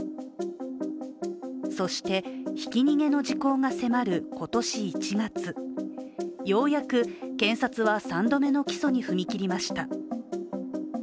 そして、ひき逃げの時効が迫る今年１月、ようやく検察は３度目の起訴に踏み切りました。